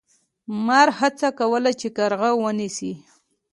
مار هڅه کوله چې کارغه ونیسي.